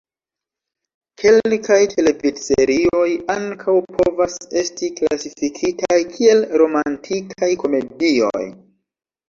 Kelkaj televidserioj ankaŭ povas esti klasifikitaj kiel romantikaj komedioj.